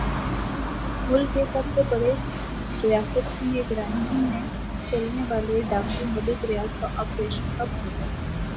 ملک کے سب سے بڑے ریاست کی نگرانی میں چلنے والے ڈاکو ملک ریاض کا آپریشن کب ھوگا